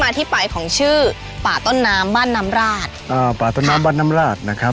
มาที่ปลายของชื่อป่าต้นน้ำบ้านน้ำราชป่าต้นน้ำบ้านน้ำราช